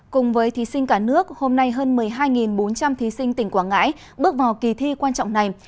cùng với thí sinh cả nước hôm nay hơn một mươi hai bốn trăm linh thí sinh tỉnh quảng ngãi bước vào kỳ thi quan trọng này